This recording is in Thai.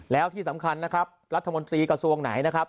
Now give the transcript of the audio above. แล้วที่สำคัญนะครับรัฐมนตรีกระทรวงไหนนะครับ